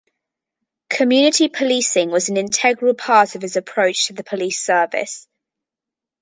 Community policing was an integral part of his approach to the police service.